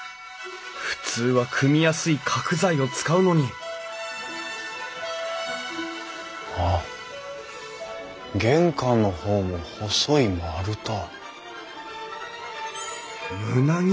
普通は組みやすい角材を使うのにあっ玄関の方も細い丸太。